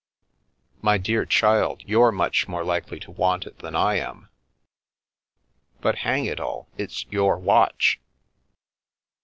" My dear child, you're much more likely to want it than I am." " But, hang it all, it's your watch